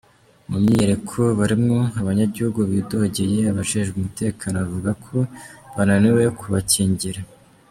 Mu myiyerekano barimwo, abanyagihugu bidogeye abajejwe umutekano bavuga ko bananiwe kubakingira.